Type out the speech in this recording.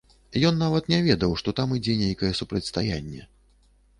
Ён нават не ведаў, што там ідзе нейкае супрацьстаянне.